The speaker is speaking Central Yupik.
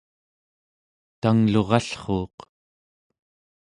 tanglurallruuq